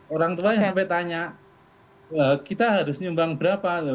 orang tua sampai tanya kita harus nyumbang berapa